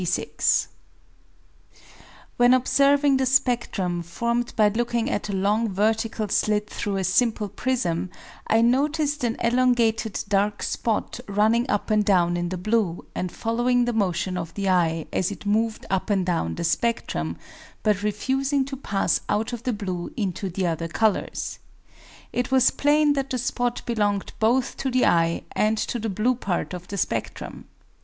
] When observing the spectrum formed by looking at a long ve rtical slit through a simple prism, I noticed an elongated dark spot running up and down in the blue, and following the motion of the eye as it moved up and down the spectrum, but refusing to pass out of the blue into the other colours. It was plain that the spot belonged both to the eye and to the blue part of the spectrum.